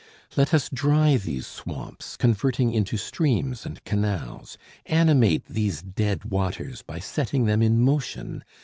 Let us dry these swamps; converting into streams and canals, animate these dead waters by setting them in motion.